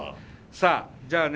さあじゃあね